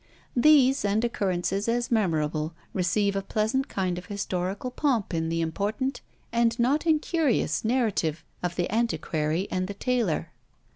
These, and occurrences as memorable, receive a pleasant kind of historical pomp in the important, and not incurious, narrative of the antiquary and the tailor.